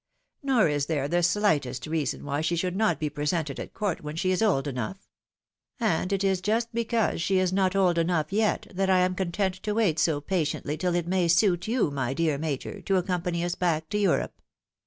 Nor is there the shghtest reason why she should not be presented at court when she is old enough ; and it is just because she is not old enough yet, that I am con tent to wait so patiently tUl it may suit you, my dear Major, to accompany us back to Europe.